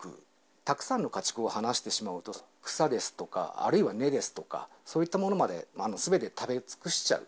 たくさんの家畜を放してしまうと、草ですとか、あるいは根ですとか、そういったものまで、すべて食べ尽くしちゃう。